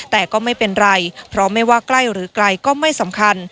แต่ก็ไม่เป็นไรเพราะไม่ว่าใกล้หรือไกลก็ไม่สำคัญ